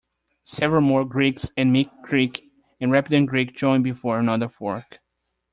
Several more creeks and Mink Creek and Rapidam Creek join before another fork.